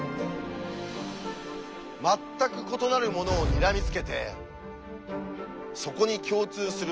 全く異なるものをにらみつけてそこに共通する